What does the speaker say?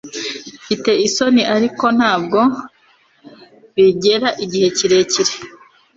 mfite isoni, ariko ntabwo bigera igihe kirekire